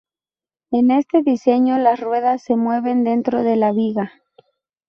En este diseño las ruedas se mueven dentro de la viga.